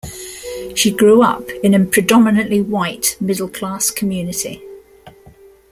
She grew up in a predominantly white, middle-class community.